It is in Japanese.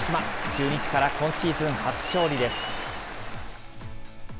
中日から今シーズン初勝利です。